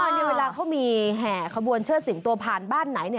เวลาเขามีแห่ขบวนเชิดสิงโตผ่านบ้านไหน